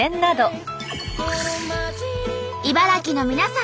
茨城の皆さん